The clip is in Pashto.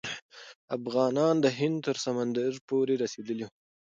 افغانان د هند تر سمندر پورې رسیدلي وو.